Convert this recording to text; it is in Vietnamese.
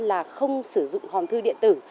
là không sử dụng hòn thư điện tử